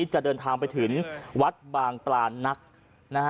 จะเดินทางไปถึงวัดบางปลานักนะฮะ